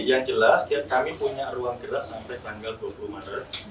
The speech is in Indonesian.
pada hari ke tujuh belas kita punya ruang gerak sampai tanggal dua puluh maret